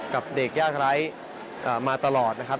กับเด็กยากไร้มาตลอดนะครับ